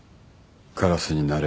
カラスになれ。